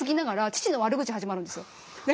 父の悪口始まるんですよ。